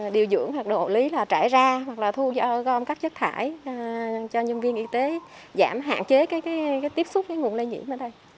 điều dưỡng hoặc độ lý là trải ra hoặc là thu gom các chất thải cho nhân viên y tế giảm hạn chế tiếp xúc nguồn nguy cơ lây nhiễm